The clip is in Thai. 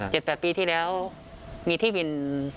แปดปีที่แล้วมีที่วิน